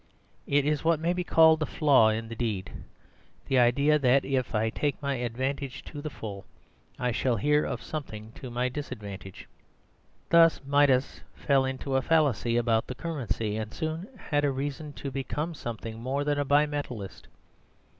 It is what may be called the flaw in the deed: the idea that, if I take my advantage to the full, I shall hear of something to my disadvantage. Thus Midas fell into a fallacy about the currency; and soon had reason to become something more than a Bimetallist.